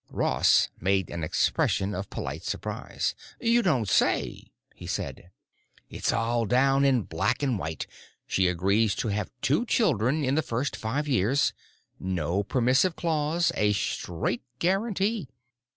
Ross made an expression of polite surprise. "You don't say!" he said. "It's all down in black and white! She agrees to have two children in the first five years—no permissive clause, a straight guarantee.